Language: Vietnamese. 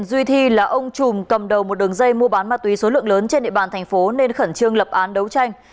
duy thi là ông chùm cầm đầu một đường dây mua bán ma túy số lượng lớn trên địa bàn thành phố nên khẩn trương lập án đấu tranh